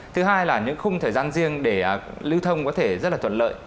thứ hai là những khung thời gian riêng để lưu thông có thể rất là thuận lợi